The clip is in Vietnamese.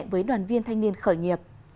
với đoàn viên thanh niên khởi nghiệp